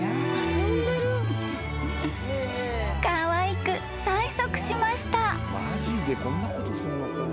［かわいく催促しました］